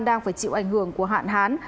đang phải chịu ảnh hưởng của hạn hán